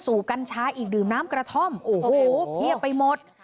สูบกันชายอีกดื่มน้ำกระท่อมโอ้โฮเหี้ยไปหมด